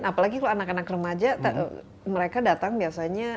apalagi kalau anak anak remaja mereka datang biasanya